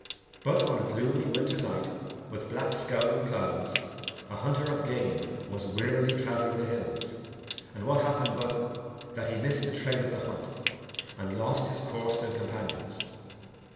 But on a gloomy winter night, with black, scowling clouds, a hunter of game was wearily travelling the hills, and what happened but that he missed the trail of the hunt, and lost his course and companions.